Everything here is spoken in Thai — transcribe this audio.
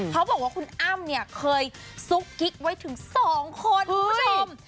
เขาบอกว่าคุณอ้ำเนี่ยเคยซุกกิ๊กไว้ถึง๒คนคุณผู้ชม